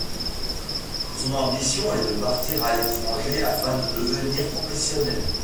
Son ambition est de partir à l'étranger afin de devenir professionnel.